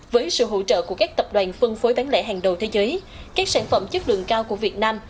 với sự hỗ trợ của các tập đoàn phân phối bán lẻ hàng đầu thế giới các sản phẩm chất lượng cao của việt nam